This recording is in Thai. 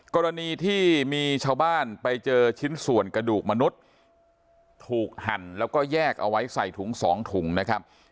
กรณีที่มีชาวบ้านไปเจอชิ้นส่วนกระดูกมนุษย์ถูกหั่นแล้วก็แยกเอาไว้ใส่ถุงสองถุงนะครับ